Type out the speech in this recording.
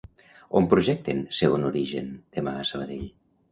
On projecten "Segon origen" demà a Sabadell?